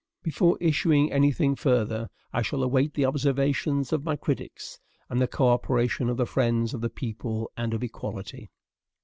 Before issuing any thing further, I shall await the observations of my critics, and the co operation of the friends of the people and of equality.